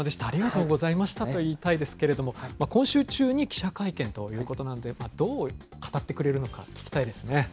ありがとうございましたと言いたいですけれども、今週中に記者会見ということなんで、どう語ってくれるのか、聞きたいですね。